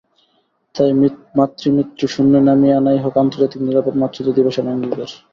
তাই মাতৃমৃত্যু শূন্যে নামিয়ে আনাই হোক আন্তর্জাতিক নিরাপদ মাতৃত্ব দিবসের অঙ্গীকার।